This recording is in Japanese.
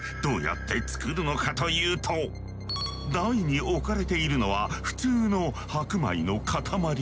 台に置かれているのは普通の白米の塊。